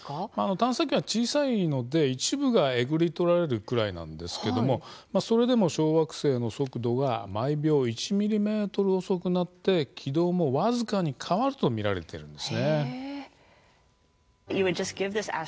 探査機は小さいので一部がえぐり取られくらいなんですけれどもそれでも小惑星の速度が毎秒１ミリメートル遅くなり軌道も僅かに変わると見られています。